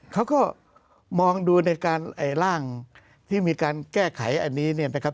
เขาก็มองดูในการไอ้ร่างที่มีการแก้ไขอันนี้เนี่ยนะครับ